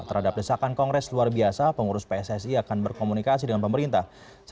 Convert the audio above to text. terhadap desakan kongres luar biasa pengurus pssi akan berkomunikasi dengan pemerintah